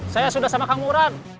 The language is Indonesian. saya sudah sama kang mural